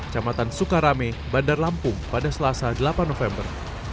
camatan sukarame bandar lampung pada selasa delapan november